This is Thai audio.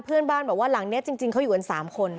เพื่อนบ้านบอกว่าหลังนี้จริงเขาอยู่กัน๓คน